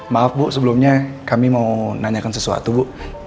maaf bu sebelumnya kami mau nanyakan sesuatu bu